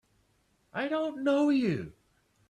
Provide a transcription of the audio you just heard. I don't know you!